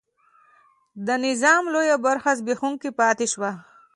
د نظام لویه برخه زبېښونکې پاتې شوه.